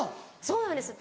そうなんです。